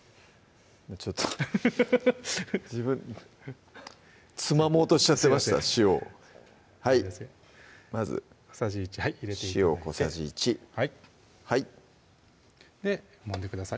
ちょっとフフフつまもうとしちゃってました塩をはいまず小さじ１入れて頂いて塩小さじ１はいでもんでください